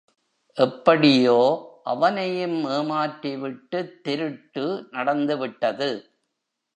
எப்படியோ அவனையும் ஏமாற்றிவிட்டுத் திருட்டு நடந்துவிட்டது.